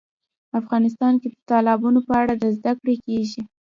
افغانستان کې د تالابونو په اړه زده کړه کېږي.